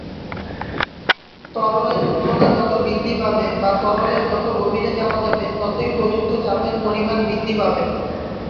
তরলের উচ্চতা যত বৃদ্ধি পাবে বা তরলের যত গভীরে যাওয়া যাবে ততই প্রযুক্ত চাপের পরিমান বৃদ্ধি পাবে।